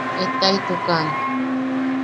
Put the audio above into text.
Etaaʼitukan!